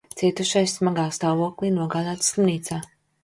Cietušais smagā stāvoklī nogādāts slimnīcā.